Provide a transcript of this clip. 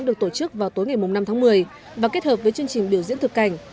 được tổ chức vào tối ngày năm tháng một mươi và kết hợp với chương trình biểu diễn thực cảnh